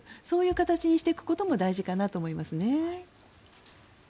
そういう形にしていくことも大事かなと思いますね。